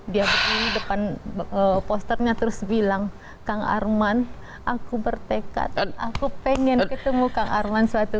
dia begini depan posternya terus bilang kang arman aku bertekad aku pengen ketemu kang arman suatu